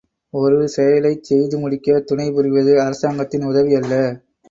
ஒரு செயலைச் செய்து முடிக்கத் துணை புரிவது அரசாங்கத்தின் உதவி அல்ல.